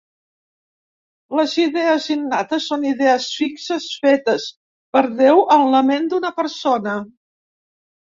Les idees innates són idees fixes fetes per Déu en la ment d'una persona.